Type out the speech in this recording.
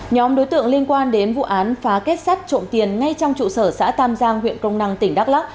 nhóm đối tượng liên quan đến vụ án phá kết sắt trộm tiền ngay trong trụ sở xã tam giang huyện crong năng tỉnh đắk lắc